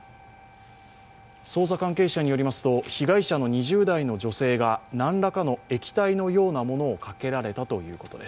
捜査関係者によりますと、被害者の２０代の女性が何らかの液体のようなものをかけられたということです。